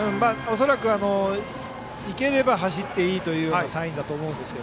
恐らく行ければ走っていいというサインだと思いますが。